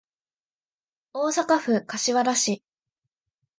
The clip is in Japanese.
大阪府柏原市